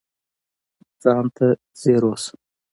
ځان ته ځیر اوسه